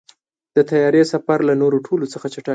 د طیارې سفر له نورو ټولو څخه چټک دی.